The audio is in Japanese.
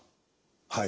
はい。